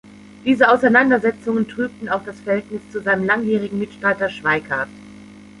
Diese Auseinandersetzungen trübten auch das Verhältnis zu seinem langjährigen Mitstreiter Schweikart.